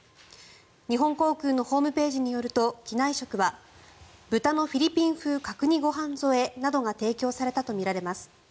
日本航空のホームページによると機内食は豚のフィリピン風角煮ご飯添えなどが提供されたとみられます。